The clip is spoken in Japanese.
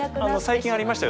最近ありましたよ